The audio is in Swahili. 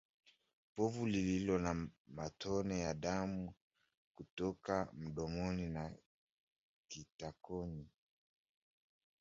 Povu lililo na matone ya damu kutoka mdomoni na kitakoni